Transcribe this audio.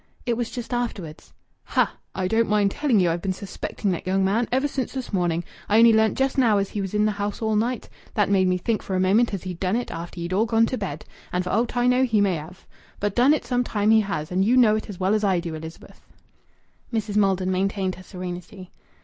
"It was just afterwards." "Ha!... I don't mind telling ye I've been suspecting that young man ever since this morning. I only learnt just now as he was in th' house all night. That made me think for a moment as he'd done it after ye'd all gone to bed. And for aught I know he may have. But done it some time he has, and you know it as well as I do, Elizabeth." Mrs. Maldon maintained her serenity.